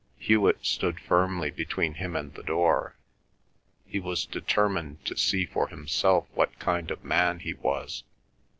Hewet stood firmly between him and the door. He was determined to see for himself what kind of man he was.